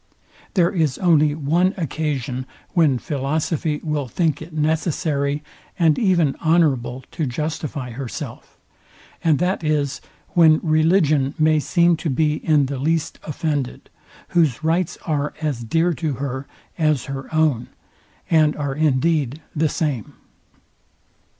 There is only one occasion, when philosophy will think it necessary and even honourable to justify herself, and that is, when religion may seem to be in the least offended; whose rights are as dear to her as her own, and are indeed the same.